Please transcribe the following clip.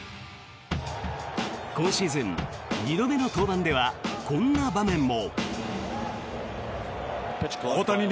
今シーズン２度目の登板ではこんな場面も。